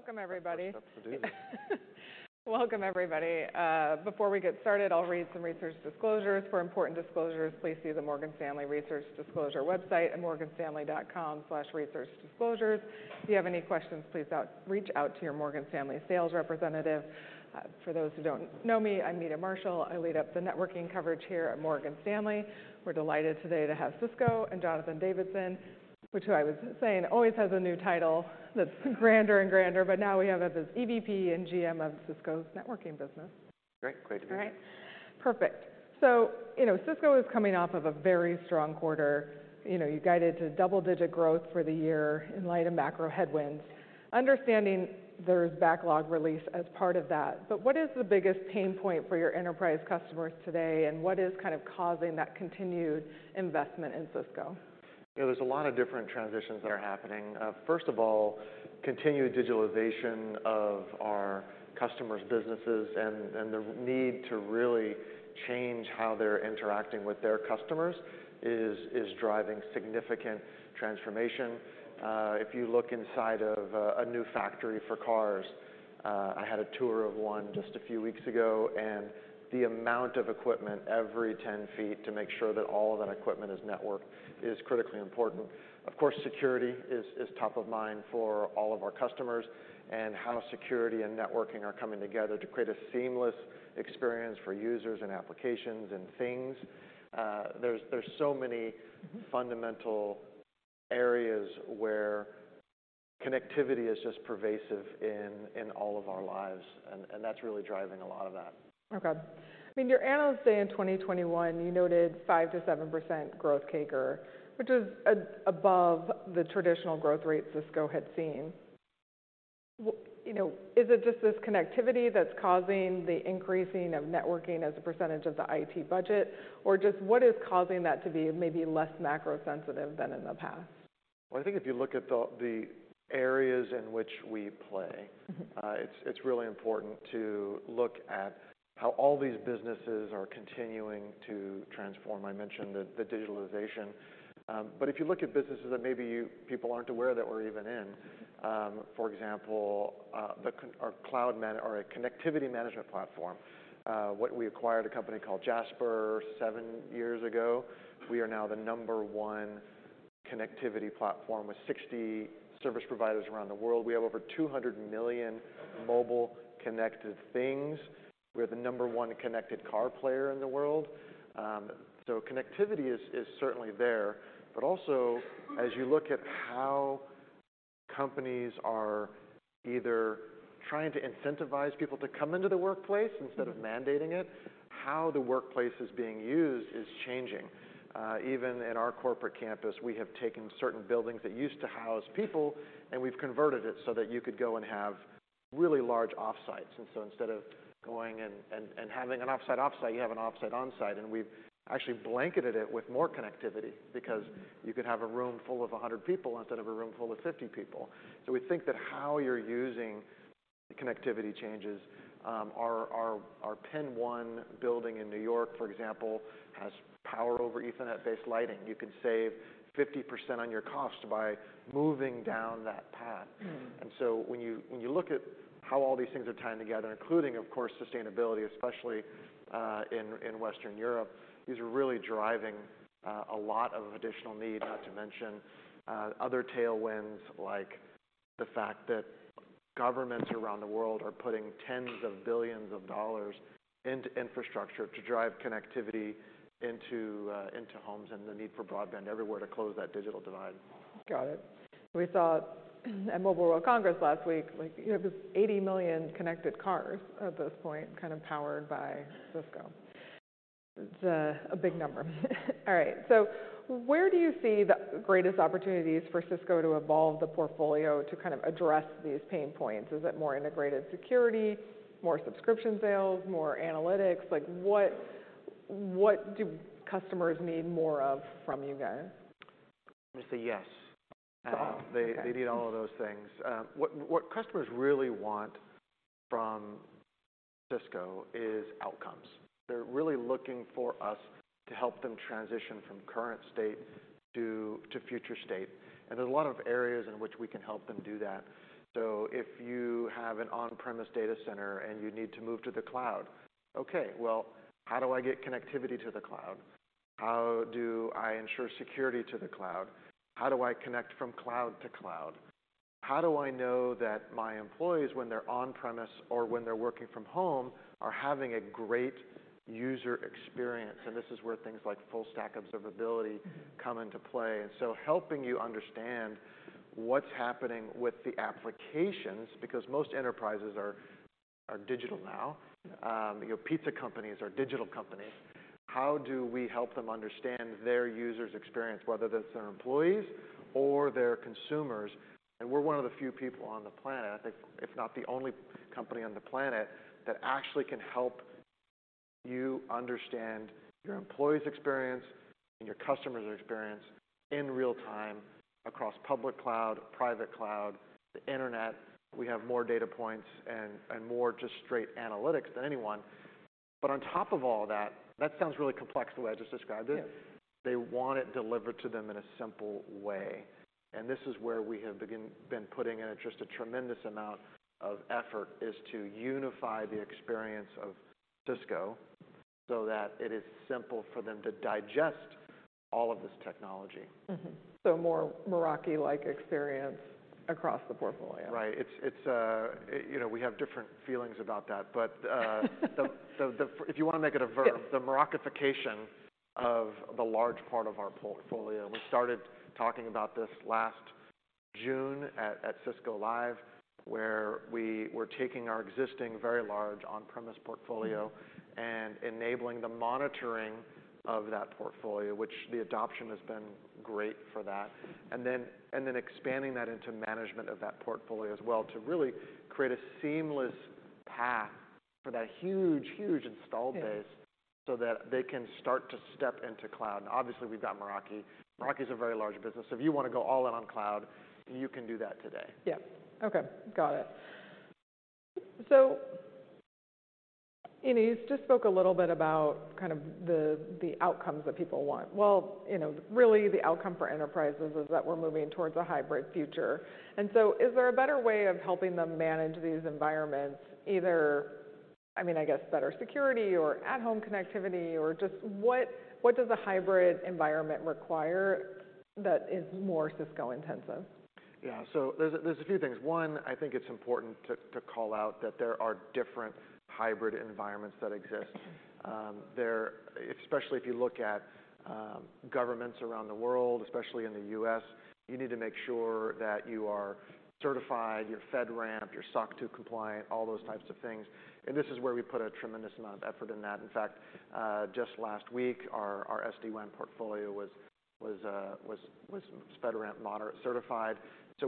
Welcome everybody. Before we get started, I'll read some research disclosures. For important disclosures, please see the Morgan Stanley Research Disclosure website at morganstanley.com/researchdisclosures. If you have any questions, please reach out to your Morgan Stanley sales representative. For those who don't know me, I'm Meta Marshall. I lead up the networking coverage here at Morgan Stanley. We're delighted today to have Cisco and Jonathan Davidson, which who I was saying always has a new title that's grander and grander, but now we have as this EVP and GM of Cisco's networking business. Great. Great to be here. All right. Perfect. You know, Cisco is coming off of a very strong quarter. You know, you guided to double-digit growth for the year in light of macro headwinds. Understanding there's backlog release as part of that, but what is the biggest pain point for your enterprise customers today, and what is kind of causing that continued investment in Cisco? You know, there's a lot of different transitions that are happening. First of all, continued digitalization of our customers' businesses and the need to really change how they're interacting with their customers is driving significant transformation. If you look inside of a new factory for cars, I had a tour of one just a few weeks ago. The amount of equipment every 10 feet to make sure that all of that equipment is networked is critically important. Of course, security is top of mind for all of our customers and how security and networking are coming together to create a seamless experience for users and applications and things. There's so many fundamental areas where connectivity is just pervasive in all of our lives, and that's really driving a lot of that. Okay. I mean, your Analyst Day in 2021, you noted 5%-7% growth CAGR, which is above the traditional growth rate Cisco had seen. You know, is it just this connectivity that's causing the increasing of networking as a % of the IT budget? Just what is causing that to be maybe less macro sensitive than in the past? Well, I think if you look at the areas in which we play. Mm-hmm... it's really important to look at how all these businesses are continuing to transform. I mentioned the digitalization. If you look at businesses that maybe people aren't aware that we're even in, for example, our Connectivity Management Platform. What we acquired a company called Jasper 7 years ago, we are now the number one connectivity platform with 60 service providers around the world. We have over 200 million mobile connected things. We're the number one connected car player in the world. Connectivity is certainly there. Also, as you look at how companies are either trying to incentivize people to come into the workplace instead of mandating it, how the workplace is being used is changing. Even in our corporate campus, we have taken certain buildings that used to house people, and we've converted it so that you could go and have really large off-sites. Instead of going and having an off-site off-site, you have an off-site on-site. We've actually blanketed it with more connectivity because you could have a room full of 100 people instead of a room full of 50 people. We think that how you're using connectivity changes. Our Penn 1 building in New York, for example, has Power over Ethernet-based lighting. You can save 50% on your cost by moving down that path. Mm. When you look at how all these things are tying together, including, of course, sustainability, especially, in Western Europe, these are really driving a lot of additional need, not to mention other tailwinds like the fact that governments around the world are putting tens of billions of dollars into infrastructure to drive connectivity into homes and the need for broadband everywhere to close that digital divide. Got it. We saw at Mobile World Congress last week, like, you know, there's 80 million connected cars at this point, kind of powered by Cisco. It's a big number. All right. Where do you see the greatest opportunities for Cisco to evolve the portfolio to kind of address these pain points? Is it more integrated security, more subscription sales, more analytics? Like what do customers need more of from you guys? I'm gonna say yes. Oh, okay. They need all of those things. What customers really want from Cisco is outcomes. They're really looking for us to help them transition from current state to future state. There's a lot of areas in which we can help them do that. If you have an on-premise data center and you need to move to the cloud, okay, well, how do I get connectivity to the cloud? How do I ensure security to the cloud? How do I connect from cloud to cloud? How do I know that my employees, when they're on-premise or when they're working from home, are having a great user experience? This is where things like full-stack observability- Mm-hmm come into play. Helping you understand what's happening with the applications, because most enterprises are digital now. You know, pizza companies are digital companies. How do we help them understand their users' experience, whether that's their employees or their consumers? We're one of the few people on the planet, I think, if not the only company on the planet, that actually can help you understand your employees' experience and your customers' experience in real time across public cloud, private cloud, the internet. We have more data points and more just straight analytics than anyone. On top of all that sounds really complex the way I just described it. Yeah. They want it delivered to them in a simple way, and this is where we have been putting in just a tremendous amount of effort, is to unify the experience of Cisco so that it is simple for them to digest all of this technology. More Meraki-like experience across the portfolio. Right. It's, you know, we have different feelings about that. The... If you wanna make it a. Yeah... the Merakification of the large part of our portfolio, we started talking about this last June at Cisco Live, where we were taking our existing very large on-premise portfolio and enabling the monitoring of that portfolio, which the adoption has been great for that. And then expanding that into management of that portfolio as well to really create a seamless path for that huge install base... Yeah... so that they can start to step into cloud. Obviously we've got Meraki. Meraki's a very large business. If you wanna go all in on cloud, you can do that today. Yeah. Okay. Got it. You know, you just spoke a little bit about kind of the outcomes that people want. Well, you know, really the outcome for enterprises is that we're moving towards a hybrid future. Is there a better way of helping them manage these environments? Either, I mean, I guess better security or at-home connectivity or just what does a hybrid environment require that is more Cisco intensive? Yeah. There's a few things. One, I think it's important to call out that there are different hybrid environments that exist. Mm-hmm. There. Especially if you look at governments around the world, especially in the U.S., you need to make sure that you are certified, you're FedRAMP, you're SOC 2 compliant, all those types of things. This is where we put a tremendous amount of effort in that. In fact, just last week our SD-WAN portfolio was FedRAMP moderate certified.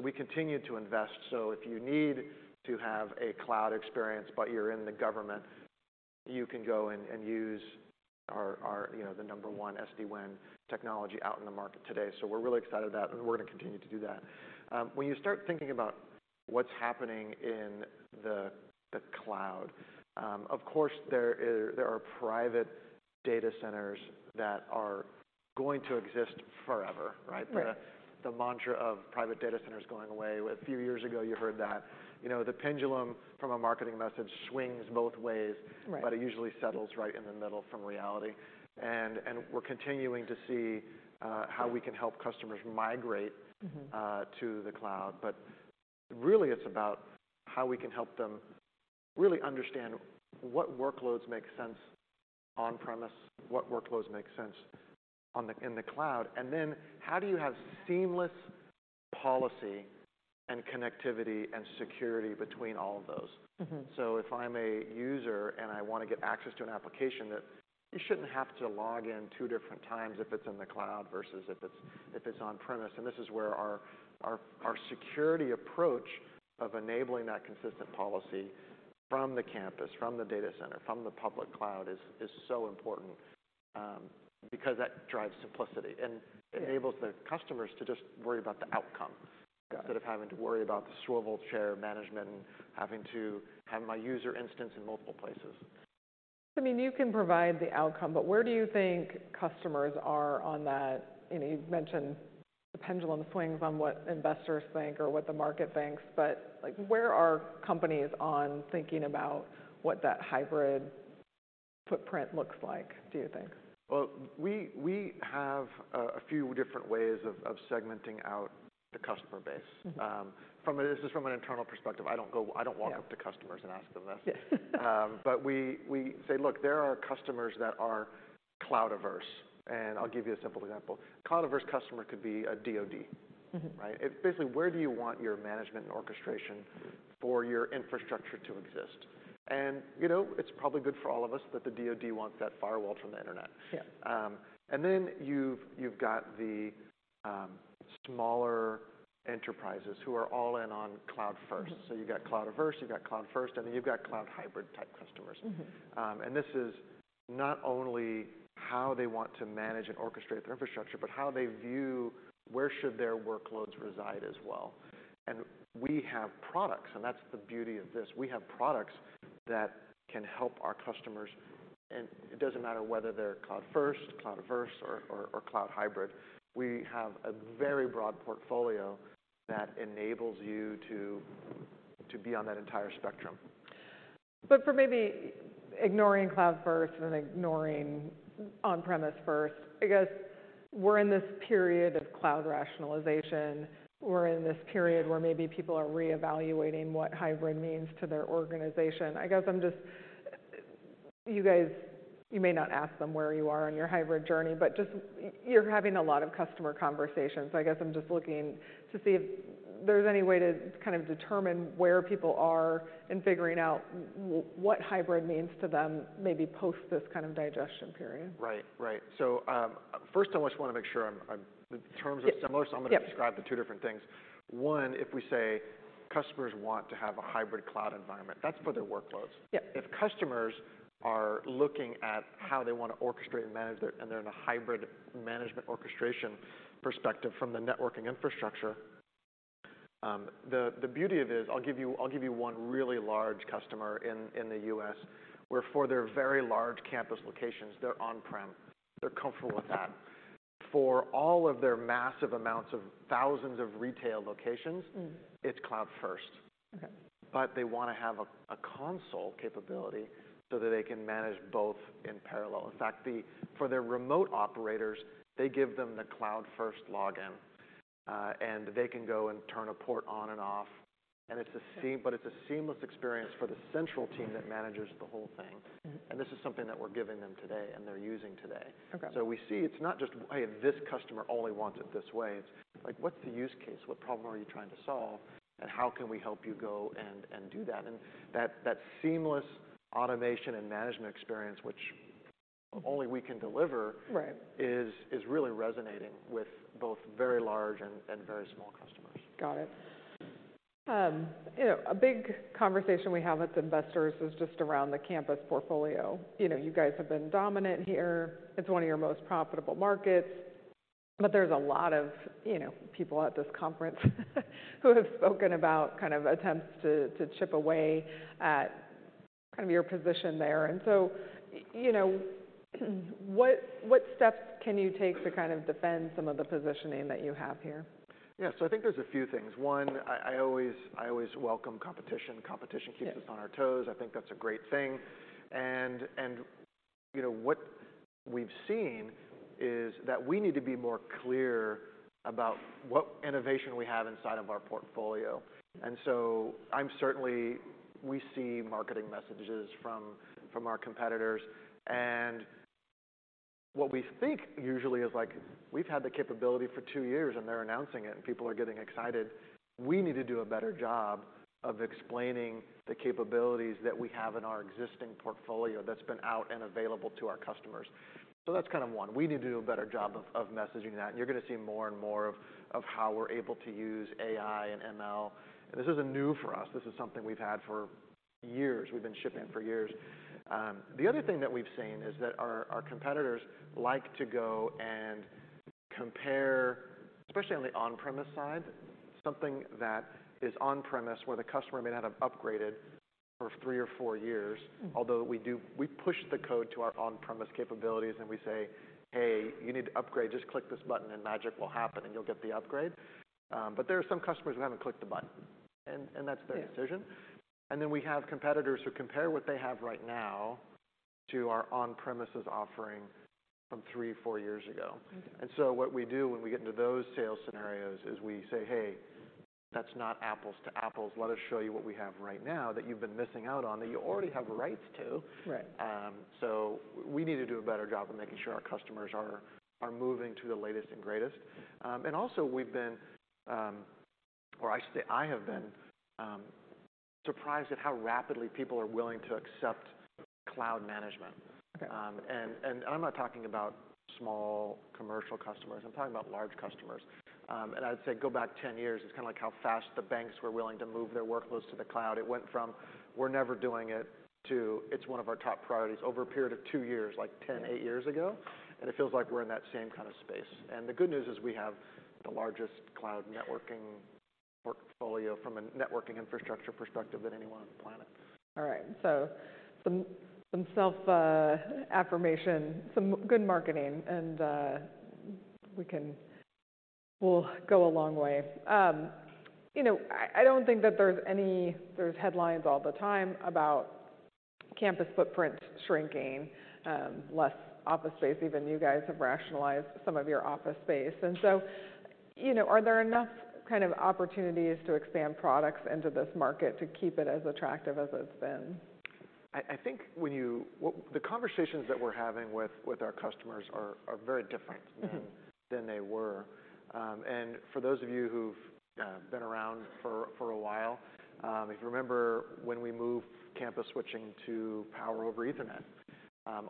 We continue to invest. If you need to have a cloud experience but you're in the government, you can go and use our, you know, the number one SD-WAN technology out in the market today. We're really excited about that and we're gonna continue to do that. When you start thinking about what's happening in the cloud, of course there are private data centers that are going to exist forever, right? Right. The mantra of private data centers going away, a few years ago you heard that. You know, the pendulum from a marketing message swings both ways. Right... but it usually settles right in the middle from reality. We're continuing to see how we can help customers migrate. Mm-hmm... to the cloud. Really it's about how we can help them really understand what workloads make sense on premise, what workloads make sense in the cloud, and then how do you have seamless policy and connectivity and security between all of those. Mm-hmm. If I'm a user and I want to get access to an application that you shouldn't have to log in two different times if it's in the cloud versus if it's on premise. This is where our, our security approach of enabling that consistent policy from the campus, from the data center, from the public cloud is so important because that drives simplicity. Yeah enables the customers to just worry about the outcome. Got it.... instead of having to worry about the swivel chair management and having to have my user instance in multiple places. I mean, you can provide the outcome, but where do you think customers are on that? You know, you've mentioned the pendulum swings on what investors think or what the market thinks, but, like, where are companies on thinking about what that hybrid footprint looks like, do you think? Well, we have a few different ways of segmenting out the customer base. Mm-hmm. This is from an internal perspective. I don't walk up- Yeah to customers and ask them this. Yeah. We say, "Look, there are customers that are cloud averse." I'll give you a simple example. Cloud averse customer could be a DoD. Mm-hmm. Right? Basically where do you want your management and orchestration for your infrastructure to exist? You know, it's probably good for all of us that the DoD wants that firewall from the internet. Yeah. You've got the smaller enterprises who are all in on cloud first. Mm-hmm. You've got cloud averse, you've got cloud first, and then you've got cloud hybrid type customers. Mm-hmm. This is not only how they want to manage and orchestrate their infrastructure, but how they view where should their workloads reside as well. We have products, and that's the beauty of this. We have products that can help our customers and it doesn't matter whether they're cloud first, cloud averse, or cloud hybrid. We have a very broad portfolio that enables you to be on that entire spectrum. For maybe ignoring cloud first and ignoring on-premise first, I guess we're in this period of cloud rationalization. We're in this period where maybe people are reevaluating what hybrid means to their organization. You guys, you may not ask them where you are on your hybrid journey, but just you're having a lot of customer conversations. I guess I'm just looking to see if there's any way to kind of determine where people are in figuring out what hybrid means to them, maybe post this kind of digestion period. Right. Right. first I almost wanna make sure I'm, the terms are similar- Yeah. Yeah. I'm gonna describe the 2 different things. One, if we say customers want to have a Hybrid Cloud Environment, that's for their workloads. Yeah. If customers are looking at how they wanna orchestrate and manage their... they're in a hybrid management orchestration perspective from the networking infrastructure. The beauty of it is, I'll give you one really large customer in the U.S., where for their very large campus locations, they're on-prem. They're comfortable with that. For all of their massive amounts of thousands of retail locations- Mm. It's cloud first. Okay. They wanna have a console capability so that they can manage both in parallel. In fact, for their remote operators, they give them the cloud first login, and they can go and turn a port on and off, and it's a seamless experience for the central team that manages the whole thing. Mm-hmm. This is something that we're giving them today and they're using today. Okay. We see it's not just, hey, this customer only wants it this way. It's like, what's the use case? What problem are you trying to solve? How can we help you go and do that? That seamless automation and management experience, which only we can deliver. Right... is really resonating with both very large and very small customers. Got it. You know, a big conversation we have with investors is just around the campus portfolio. You know, you guys have been dominant here. It's one of your most profitable markets, but there's a lot of, you know, people at this conference who have spoken about kind of attempts to chip away at kind of your position there. You know, what steps can you take to kind of defend some of the positioning that you have here? Yeah. I think there's a few things. One, I always welcome competition. Competition. Yeah... us on our toes. I think that's a great thing. You know, what we've seen is that we need to be more clear about what innovation we have inside of our portfolio. I'm certainly... We see marketing messages from our competitors, and what we think usually is like, "We've had the capability for two years, and they're announcing it, and people are getting excited." We need to do a better job of explaining the capabilities that we have in our existing portfolio that's been out and available to our customers. That's kind of one. We need to do a better job of messaging that, and you're gonna see more and more of how we're able to use AI and ML. This isn't new for us. This is something we've had for years. We've been shipping for years. The other thing that we've seen is that our competitors like to go and compare, especially on the on-premise side, something that is on-premise, where the customer may not have upgraded for three or four years. Mm. Although we push the code to our on-premise capabilities, and we say, "Hey, you need to upgrade. Just click this button and magic will happen, and you'll get the upgrade." There are some customers who haven't clicked the button, and that's their decision. Yeah. We have competitors who compare what they have right now to our on-premises offering from three, four years ago. Okay. What we do when we get into those sales scenarios is we say, "Hey, that's not apples to apples. Let us show you what we have right now that you've been missing out on, that you already have rights to. Right. We need to do a better job of making sure our customers are moving to the latest and greatest. We've been, or I should say I have been, surprised at how rapidly people are willing to accept cloud management. Okay. I'm not talking about small commercial customers. I'm talking about large customers. I'd say go back 10 years, it's kinda like how fast the banks were willing to move their workloads to the cloud. It went from, "We're never doing it," to, "It's one of our top priorities," over a period of 2 years, like 10, 8 years ago. Right. It feels like we're in that same kind of space. The good news is we have the largest cloud networking portfolio from a networking infrastructure perspective than anyone on the planet. All right. Some, some self-affirmation, some good marketing, will go a long way. You know, I don't think that there's any. There's headlines all the time about campus footprint shrinking, less office space even. You guys have rationalized some of your office space. You know, are there enough kind of opportunities to expand products into this market to keep it as attractive as it's been? I think the conversations that we're having with our customers are very different. Mm-hmm... than they were. For those of you who've been around for a while, if you remember when we moved campus switching to Power over Ethernet,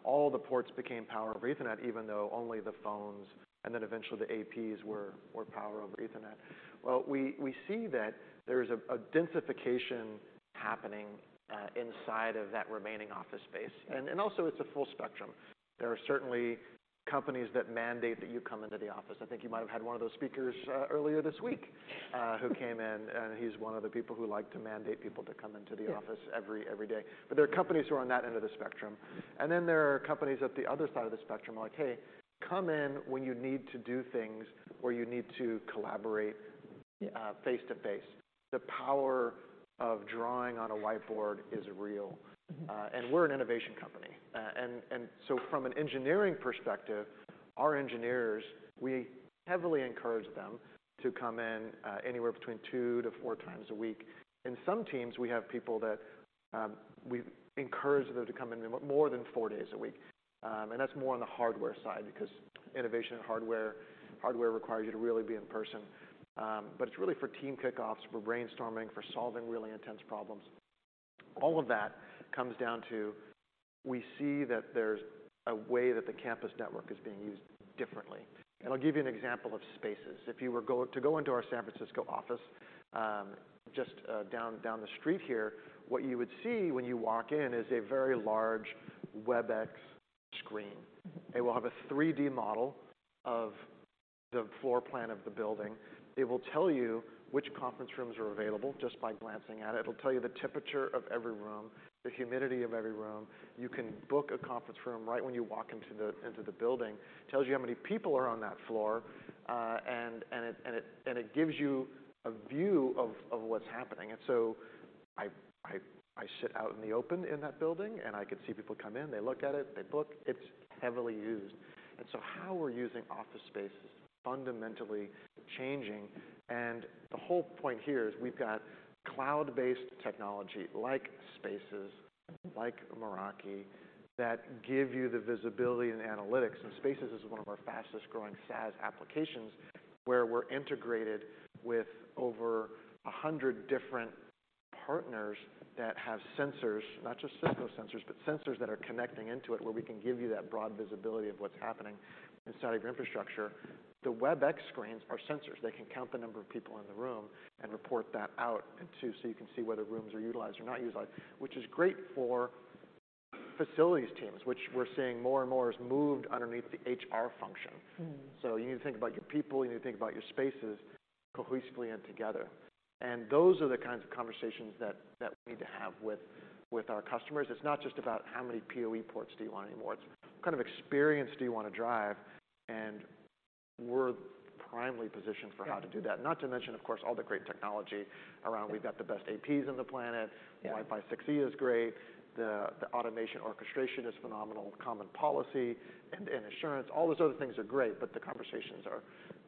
all the ports became Power over Ethernet, even though only the phones and then eventually the APs were Power over Ethernet. Well, we see that there's a densification happening inside of that remaining office space. Yeah. Also it's a full spectrum. There are certainly companies that mandate that you come into the office. I think you might have had one of those speakers earlier this week who came in, and he's one of the people who like to mandate people to come into the office. Yeah... every day. There are companies who are on that end of the spectrum, and then there are companies at the other side of the spectrum are like, "Hey, come in when you need to do things where you need to collaborate. Yeah... face-to-face." The power of drawing on a whiteboard is real. Mm-hmm. We're an innovation company. From an engineering perspective, our engineers, we heavily encourage them to come in anywhere between 2 to 4 times a week. In some teams, we have people that we encourage them to come in more than 4 days a week. That's more on the hardware side because innovation and hardware requires you to really be in person. It's really for team kickoffs, for brainstorming, for solving really intense problems. All of that comes down to we see that there's a way that the campus network is being used differently. I'll give you an example of Spaces. If you were to go into our San Francisco office, just down the street here, what you would see when you walk in is a very large Webex screen. It will have a 3D model of the floor plan of the building. It will tell you which conference rooms are available just by glancing at it. It'll tell you the temperature of every room, the humidity of every room. You can book a conference room right when you walk into the building. It tells you how many people are on that floor, and it gives you a view of what's happening. I sit out in the open in that building, and I can see people come in, they look at it, they book. It's heavily used. How we're using office space is fundamentally changing. The whole point here is we've got cloud-based technology like Spaces, like Meraki, that give you the visibility and analytics. Spaces is one of our fastest-growing SaaS applications, where we're integrated with over 100 different partners that have sensors. Not just Cisco sensors, but sensors that are connecting into it, where we can give you that broad visibility of what's happening inside of your infrastructure. The Webex screens are sensors. They can count the number of people in the room and report that out, too, so you can see whether rooms are utilized or not utilized. Which is great for facilities teams, which we're seeing more and more is moved underneath the HR function. Mm-hmm. You need to think about your people, you need to think about your spaces cohesively and together. Those are the kinds of conversations that we need to have with our customers. It's not just about how many PoE ports do you want anymore. It's what kind of experience do you want to drive, and we're primely positioned for how to do that. Not to mention, of course, all the great technology around. We've got the best APs on the planet. Yeah. Wi-Fi 6E is great. The automation orchestration is phenomenal. Common policy and assurance, all those other things are great. The conversations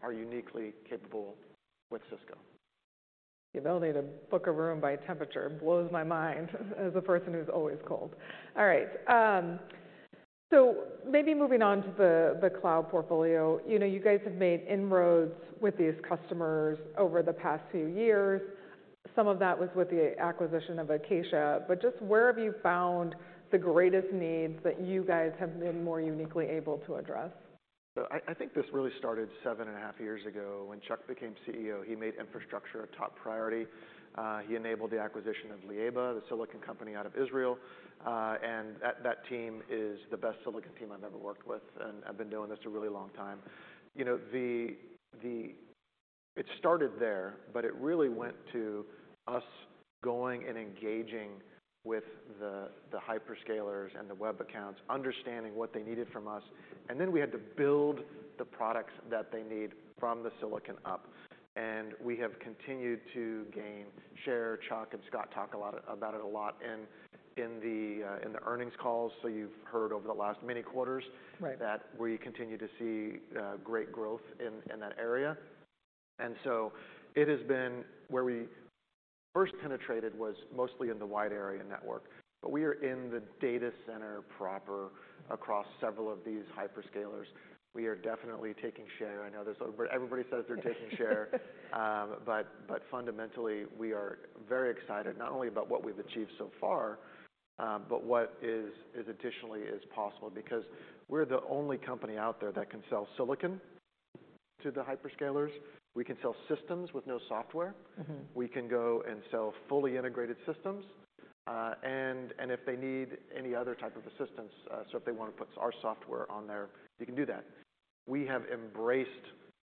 are uniquely capable with Cisco. The ability to book a room by temperature blows my mind as a person who's always cold. All right, maybe moving on to the cloud portfolio. You know, you guys have made inroads with these customers over the past few years. Some of that was with the acquisition of Acacia. Just where have you found the greatest needs that you guys have been more uniquely able to address? I think this really started 7.5 years ago. When Chuck became CEO, he made infrastructure a top priority. He enabled the acquisition of Leaba, the silicon company out of Israel. That team is the best silicon team I've ever worked with, and I've been doing this a really long time. You know, it started there, but it really went to us going and engaging with the hyperscalers and the web accounts, understanding what they needed from us, and then we had to build the products that they need from the silicon up. We have continued to gain share. Chuck and Scott talk about it a lot in the earnings calls. You've heard over the last many quarters. Right ...that we continue to see great growth in that area. It has been where we first penetrated was mostly in the wide area network, but we are in the data center proper across several of these hyperscalers. We are definitely taking share. I know everybody says they're taking share. Fundamentally, we are very excited not only about what we've achieved so far, but what is additionally is possible because we're the only company out there that can sell silicon to the hyperscalers. We can sell systems with no software. Mm-hmm. We can go and sell fully integrated systems. If they need any other type of assistance, so if they want to put our software on there, you can do that. We have embraced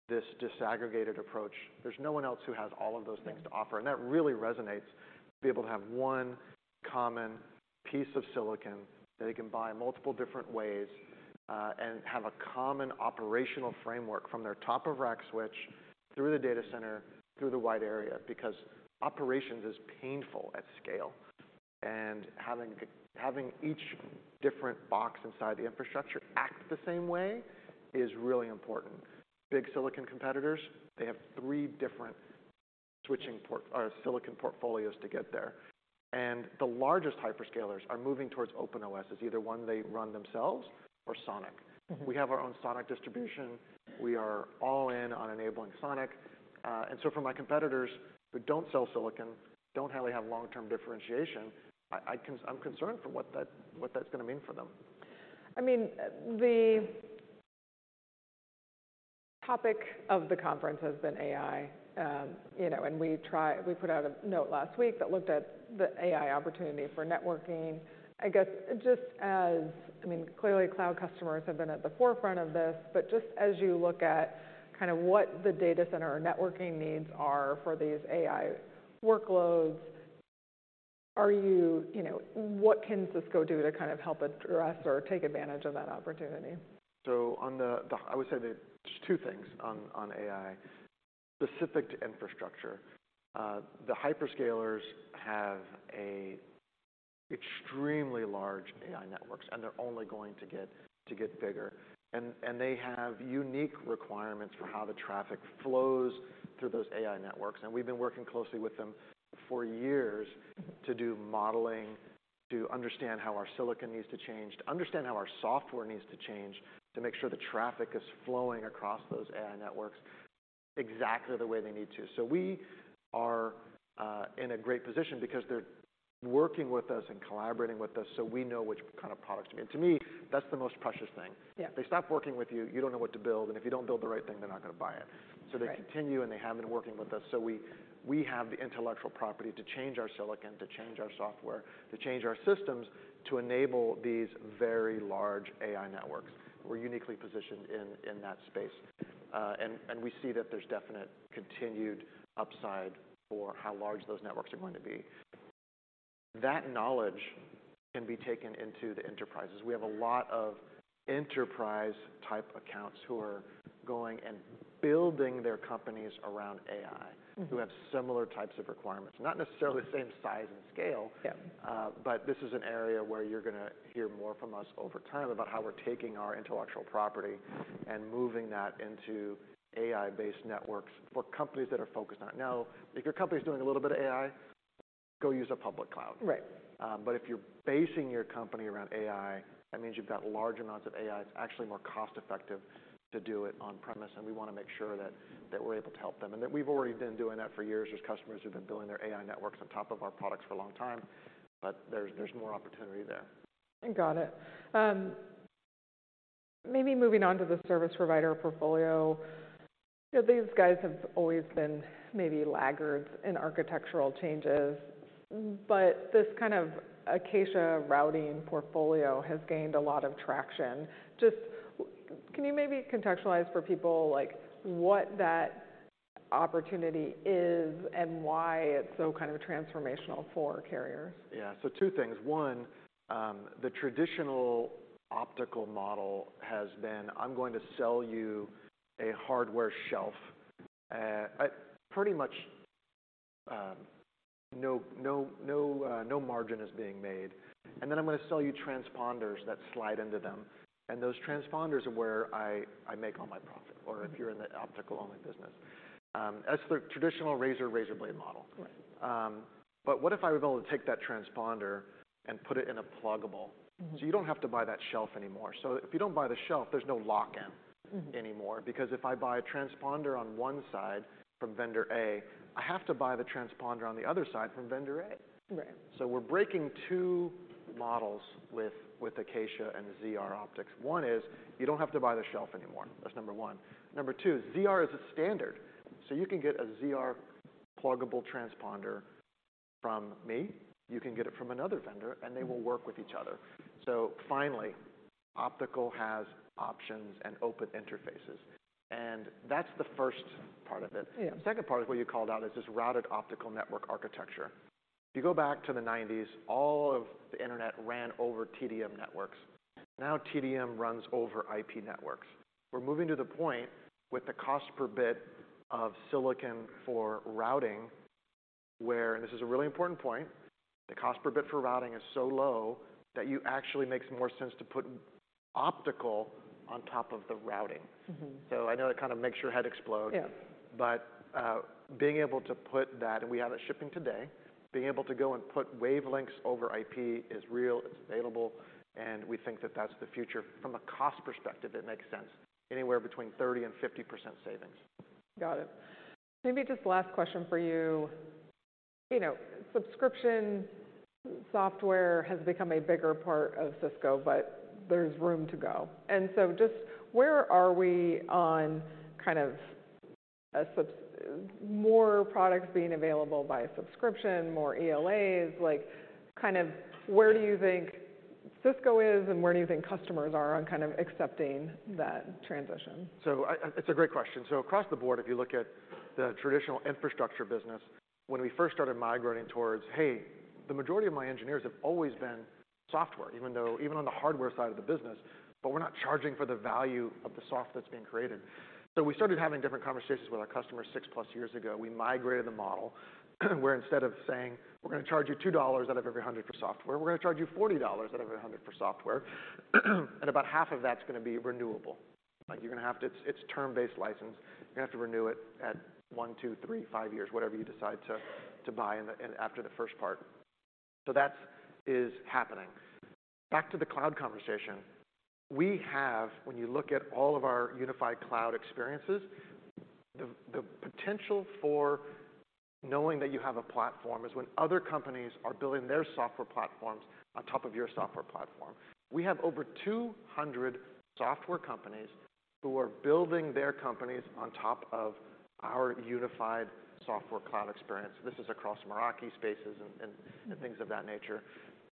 this disaggregated approach. There's no one else who has all of those things to offer, and that really resonates to be able to have 1 common piece of silicon that they can buy multiple different ways, and have a common operational framework from their top-of-rack switch through the data center, through the wide area. Operations is painful at scale, and having each different box inside the infrastructure act the same way is really important. Big silicon competitors, they have 3 different switching port or silicon portfolios to get there. The largest hyperscalers are moving towards open NOS as either one they run themselves or SONiC. Mm-hmm. We have our own SONiC distribution. We are all in on enabling SONiC. For my competitors who don't sell silicon, don't really have long-term differentiation, I'm concerned for what that, what that's gonna mean for them. I mean, the topic of the conference has been AI. you know, we put out a note last week that looked at the AI opportunity for networking. I mean, clearly cloud customers have been at the forefront of this, just as you look at kind of what the data center or networking needs are for these AI workloads, you know, what can Cisco do to kind of help address or take advantage of that opportunity? On the, I would say there's two things on AI specific to infrastructure. The hyperscalers have a extremely large AI networks, and they're only going to get bigger. They have unique requirements for how the traffic flows through those AI networks, and we've been working closely with them for years to do modeling, to understand how our silicon needs to change, to understand how our software needs to change, to make sure the traffic is flowing across those AI networks exactly the way they need to. We are in a great position because they're working with us and collaborating with us, so we know which kind of products to make. To me, that's the most precious thing. If they stop working with you don't know what to build, and if you don't build the right thing, they're not gonna buy it. Right. They continue, and they have been working with us. We have the intellectual property to change our silicon, to change our software, to change our systems to enable these very large AI networks. We're uniquely positioned in that space. We see that there's definite continued upside for how large those networks are going to be. That knowledge can be taken into the enterprises. We have a lot of enterprise-type accounts who are going and building their companies around AI- Mm-hmm... who have similar types of requirements. Not necessarily the same size and scale... Yeah This is an area where you're gonna hear more from us over time about how we're taking our intellectual property and moving that into AI-based networks for companies that are focused on it. If your company's doing a little bit of AI, go use a public cloud. Right. If you're basing your company around AI, that means you've got large amounts of AI, it's actually more cost-effective to do it on premise, and we wanna make sure that we're able to help them. That we've already been doing that for years. There's customers who have been building their AI networks on top of our products for a long time, but there's more opportunity there. Got it. Maybe moving on to the service provider portfolio. You know, these guys have always been maybe laggards in architectural changes, but this kind of Acacia routing portfolio has gained a lot of traction. Just can you maybe contextualize for people, like, what that opportunity is and why it's so kind of transformational for carriers? Two things. One, the traditional optical model has been, "I'm going to sell you a hardware shelf at pretty much no margin is being made, and then I'm gonna sell you transponders that slide into them, and those transponders are where I make all my profit," or if you're in the optical-only business. That's the traditional razor-razor blade model. Right. what if I was able to take that transponder and put it in a pluggable-. Mm-hmm... you don't have to buy that shelf anymore. If you don't buy the shelf, there's no lock-in. Mm-hmm... anymore. If I buy a transponder on one side from vendor A, I have to buy the transponder on the other side from vendor A. Right. We're breaking two models with Acacia and ZR optics. One is, you don't have to buy the shelf anymore. That's number one. Number two, ZR is a standard, so you can get a ZR pluggable transponder from me, you can get it from another vendor, and they will work with each other. Finally, optical has options and open interfaces. That's the first part of it. Yeah. Second part is what you called out is this Routed Optical Networking architecture. If you go back to the 1990s, all of the internet ran over TDM networks. Now TDM runs over IP networks. We're moving to the point with the cost per bit of silicon for routing where, and this is a really important point, the cost per bit for routing is so low that you actually makes more sense to put optical on top of the routing. Mm-hmm. I know it kind of makes your head explode. Yeah Being able to put that, and we have it shipping today, being able to go and put wavelengths over IP is real, it's available, and we think that that's the future. From a cost perspective, it makes sense, anywhere between 30% and 50% savings. Got it. Maybe just the last question for you. You know, subscription software has become a bigger part of Cisco, but there's room to go. Just where are we on kind of more products being available by subscription, more ELAs? Like, kind of where do you think Cisco is, and where do you think customers are on kind of accepting that transition? I, it's a great question. Across the board, if you look at the traditional infrastructure business, when we first started migrating towards, hey, the majority of my engineers have always been software, even though even on the hardware side of the business, but we're not charging for the value of the software that's being created. We started having different conversations with our customers 6 plus years ago. We migrated the model where instead of saying, "We're gonna charge you $2 out of every 100 for software, we're gonna charge you $40 out of every 100 for software." About half of that's gonna be renewable. Like, you're gonna have to. It's term-based license. You're gonna have to renew it at 1, 2, 3, 5 years, whatever you decide to buy in the after the first part. That's happening. Back to the cloud conversation. We have, when you look at all of our unified cloud experiences, the potential for knowing that you have a platform is when other companies are building their software platforms on top of your software platform. We have over 200 software companies who are building their companies on top of our unified software cloud experience. This is across Meraki Spaces and things of that nature.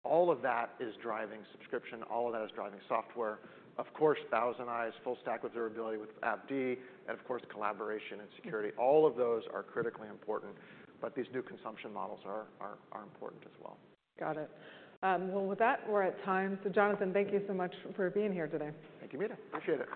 All of that is driving subscription. All of that is driving software. Of course, ThousandEyes, full-stack observability with AppD, and of course, collaboration and security. All of those are critically important. These new consumption models are important as well. Got it. Well, with that, we're at time. Jonathan, thank you so much for being here today. Thank you, Meta. Appreciate it.